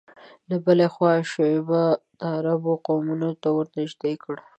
له بلې خوا شعوبیه ناعربو قومونو ته ورنژدې کړ